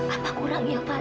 apa kurangnya fadil